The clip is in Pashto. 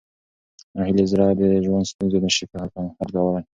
ناهیلي زړه د ژوند ستونزې نه شي حل کولی.